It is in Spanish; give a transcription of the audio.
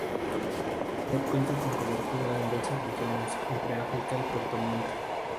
La red cuenta con cobertura en doce regiones, entre Arica y Puerto Montt.